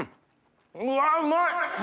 うわうまい！